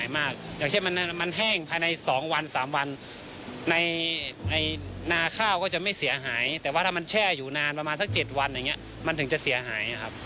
มันถึงจะเสียหายนะครับ